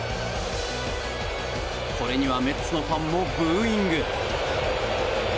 これにはメッツのファンもブーイング。